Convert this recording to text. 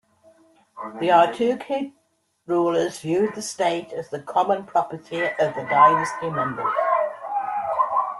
The Artuqid rulers viewed the state as the common property of the dynasty members.